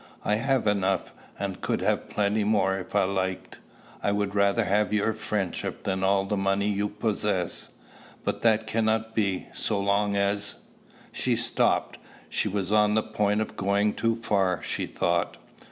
I have enough, and could have plenty more if I liked. I would rather have your friendship than all the money you possess. But that cannot be, so long as" She stopped: she was on the point of going too far, she thought.